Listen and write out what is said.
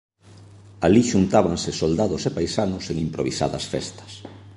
Alí xuntábanse soldados e paisanos en improvisadas festas.